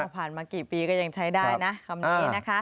ผ่านมากี่ปีก็ยังใช้ได้นะคำนี้นะคะ